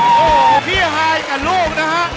โอ้เครียภายกันลูกนะฮะ